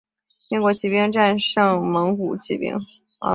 英国骑兵战胜蒙古骑兵。